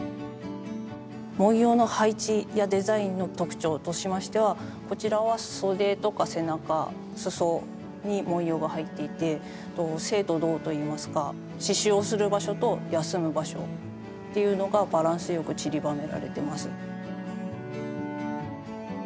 文様の配置やデザインの特徴としましてはこちらは袖とか背中裾に文様が入っていて静と動といいますか刺しゅうをする場所と休む場所っていうのがバランスよくちりばめられてます。